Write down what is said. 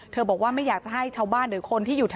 บอกว่าไม่อยากจะให้ชาวบ้านหรือคนที่อยู่แถว